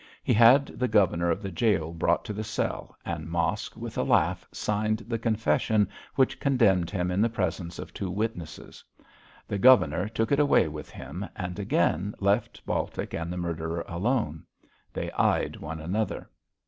He had the governor of the gaol brought to the cell, and Mosk with a laugh signed the confession which condemned him in the presence of two witnesses. The governor took it away with him, and again left Baltic and the murderer alone. They eyed one another.